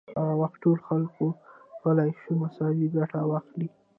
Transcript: هغه وخت ټولو خلکو کولای شوای مساوي ګټه واخلي.